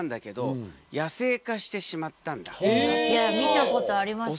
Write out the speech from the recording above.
いや見たことありますよ。